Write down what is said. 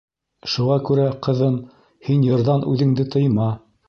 Шуға күрә, ҡыҙым, һин йырҙан үҙеңде тыйма.